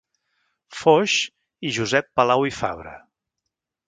Foix i Josep Palau i Fabre.